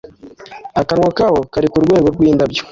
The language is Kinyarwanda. Akanwa kabo kari kurwego rwindabyo